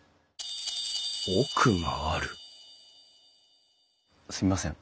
奥があるすみません。